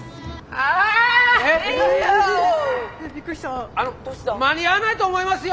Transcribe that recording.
あの間に合わないと思いますよ！